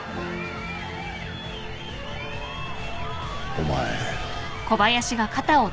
お前。